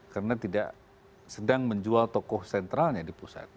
karena tidak sedang menjual tokoh sentralnya di pusat